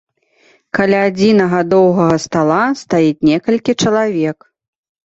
Каля адзінага доўгага стала стаіць некалькі чалавек.